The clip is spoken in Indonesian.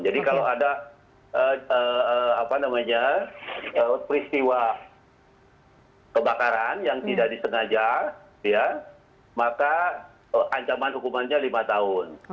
jadi kalau ada peristiwa kebakaran yang tidak disengaja maka ancaman hukumannya lima tahun